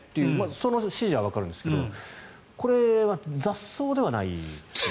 その指示はわかりますがこれは雑草ではないですよね。